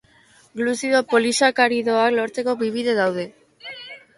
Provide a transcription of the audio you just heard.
Gluzido polisakaridoak lortzeko bi bide daude.